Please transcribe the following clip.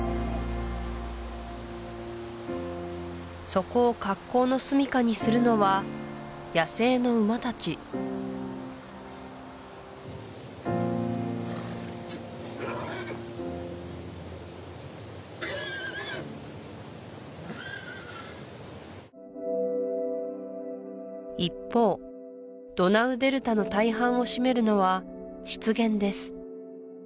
そこを格好のすみかにするのは野生の馬たち一方ドナウデルタの大半を占めるのは湿原です